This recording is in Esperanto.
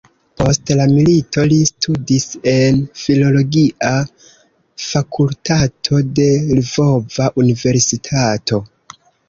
Post la milito li studis en filologia fakultato de Lvova universitato.